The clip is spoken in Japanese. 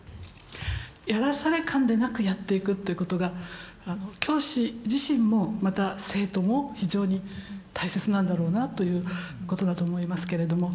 やらされ感でなくやっていくということが教師自身もまた生徒も非常に大切なんだろうなということだと思いますけれども。